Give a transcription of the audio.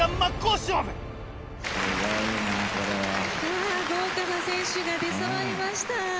さあ豪華な選手が出そろいました。